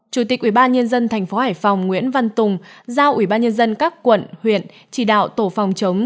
chủ tịch ubnd tp hải phòng nguyễn văn tùng giao ubnd các quận huyện chỉ đạo tổ phòng chống